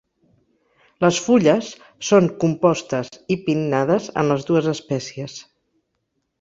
Les fulles Són compostes i pinnades en les dues espècies.